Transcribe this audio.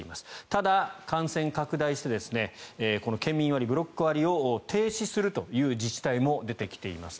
ただ、感染拡大してこの県民割、ブロック割を停止するという自治体も出てきています。